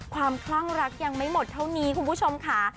คลั่งรักยังไม่หมดเท่านี้คุณผู้ชมค่ะ